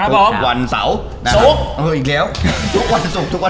ทุกวันเสาร์